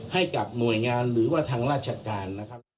ให้กับหน่วยงานหรือว่าทางราชการนะครับ